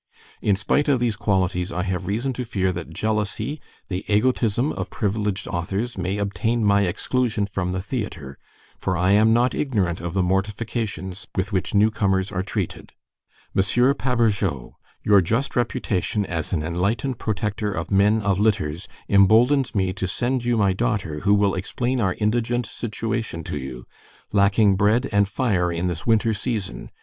In spite of these qualities I have reason to fear that jealousy, the egotism of priviliged authors, may obtaine my exclusion from the theatre, for I am not ignorant of the mortifications with which newcomers are treated. Monsiuer Pabourgeot, your just reputation as an enlightened protector of men of litters emboldens me to send you my daughter who will explain our indigant situation to you, lacking bread and fire in this wynter season.